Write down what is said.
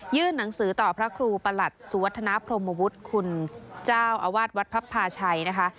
หนังสือต่อพระครูประหลัดสุวัฒนาพรมวุฒิคุณเจ้าอาวาสวัดพระพาชัยนะคะ